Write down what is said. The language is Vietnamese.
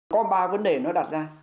có ba vấn đề nó đặt ra